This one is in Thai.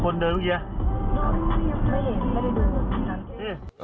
คนเดินเมื่อกี้